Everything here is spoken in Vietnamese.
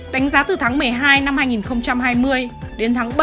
tất cả mọi người vẫn lo lắng